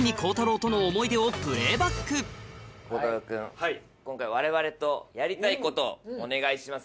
それでは孝太郎君今回われわれとやりたいことお願いします。